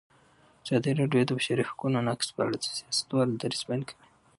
ازادي راډیو د د بشري حقونو نقض په اړه د سیاستوالو دریځ بیان کړی.